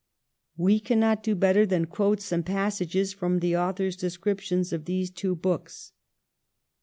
We cannot do better than quote some passages from the author's description of these two books.